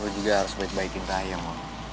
lu juga harus baik baikin tayang